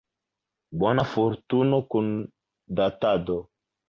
Bona fortuno kun Datado.